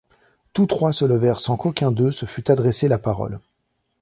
Tous trois se levèrent sans qu’aucun d’eux se fût adressé la parole.